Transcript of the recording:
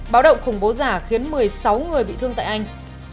báo động khủng bố giả khiến một mươi sáu người bị thương tại anh